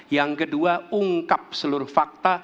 yang kedua ungkap seluruh fakta